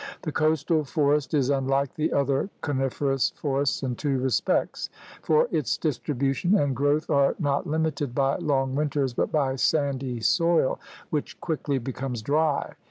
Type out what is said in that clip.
The coastal forest is unlike the other coniferous for ests in two respects, for its distribution and growth are not limited by long winters but by sandy soil which quickly becomes dry.